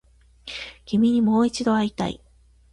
君にもう一度会いたい